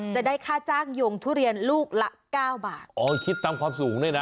จะได้ค่าจ้างยงทุเรียนลูกละเก้าบาทอ๋อคิดตามความสูงด้วยนะ